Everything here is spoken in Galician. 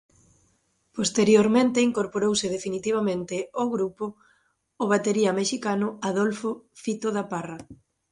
Posteriormente incorporouse definitivamente ao grupo o batería mexicano Adolfo "Fito" da Parra.